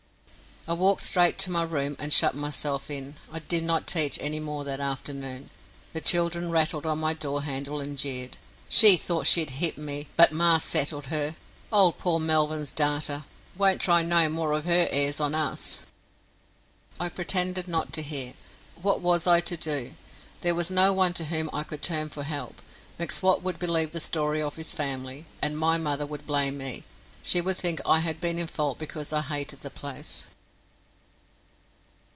I walked straight to my room and shut myself in, and did not teach any more that afternoon. The children rattled on my door handle and jeered: "She thought she'd hit me, but ma settled her. Old poor Melvyn's darter won't try no more of her airs on us." I pretended not to hear. What was I to do? There was no one to whom I could turn for help. M'Swat would believe the story of his family, and my mother would blame me. She would think I had been in fault because I hated the place.